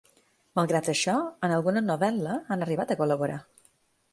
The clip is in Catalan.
Malgrat això, en alguna novel·la han arribat a col·laborar.